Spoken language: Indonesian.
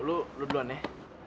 lo duluan ya